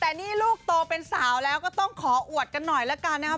แต่นี่ลูกโตเป็นสาวแล้วก็ต้องขออวดกันหน่อยละกันนะครับ